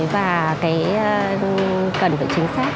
và cái cần phải chính xác